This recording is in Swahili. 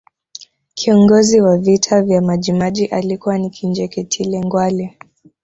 kiongozi wa vita vya majimaji alikuwa ni Kinjekitile ngwale